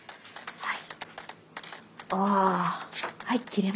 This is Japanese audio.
はい。